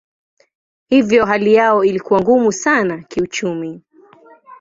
Hivyo hali yao ilikuwa ngumu sana kiuchumi.